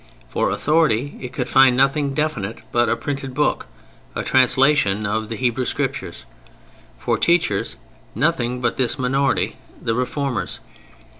For authority it could find nothing definite but a printed book: a translation of the Hebrew Scriptures. For teachers, nothing but this minority, the Reformers.